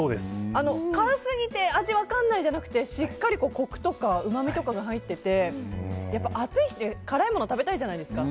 辛すぎて味が分からないじゃなくてしっかりコクとかうまみとかが入っててやっぱり暑い日って辛い物が食べたいじゃないですか。